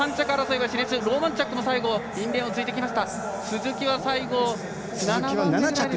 ローマンチャックも最後インレーンをついてきました。